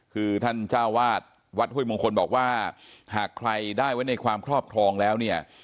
คือท่านเจ้าวาดวัดห้วยมงคลบอกว่าหากใครได้ไว้ในความครอบครองแล้วเนี่ย